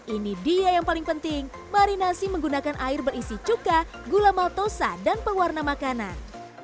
ini dia yang paling penting marinasi menggunakan air berisi cuka gula maltosa dan pewarna makanan